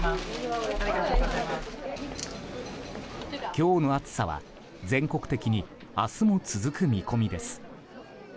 今日の暑さは全国的に明日も続く見込みです。